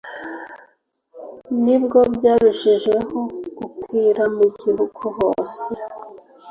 nibwo byarushijeho gukwira mu gihugu hose.